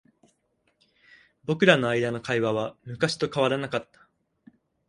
僕らの間の会話は昔と変わらなかった。